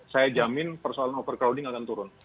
saya jamin persoalan overcrowding akan turun